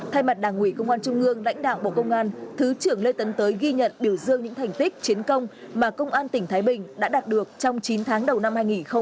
thay mặt đảng ủy công an trung ương lãnh đạo bộ công an thứ trưởng lê tấn tới ghi nhận biểu dương những thành tích chiến công mà công an tỉnh thái bình đã đạt được trong chín tháng đầu năm hai nghìn hai mươi ba